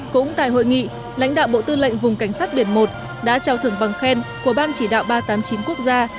cũng tại hội nghị lãnh đạo bộ tư lệnh vùng cảnh sát biển một đã trao thưởng bằng khen của ban chỉ đạo ba trăm tám mươi chín quốc gia